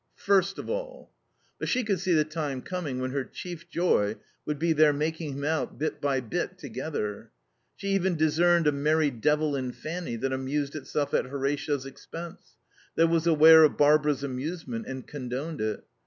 First of all. But she could see the time coming when her chief joy would be their making him out, bit by bit, together. She even discerned a merry devil in Fanny that amused itself at Horatio's expense; that was aware of Barbara's amusement and condoned it.